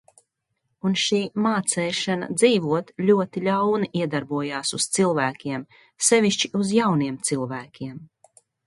"Un šī "mācēšana" dzīvot ļoti ļauni iedarbojās uz cilvēkiem, sevišķi uz jauniem cilvēkiem."